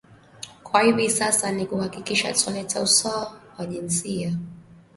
Kwa hivi sasa ni kuhakikisha tunaleta usawa wa kijinsia